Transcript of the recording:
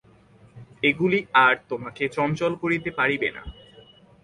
এগুলি আর তোমাকে চঞ্চল করিতে পারিবে না।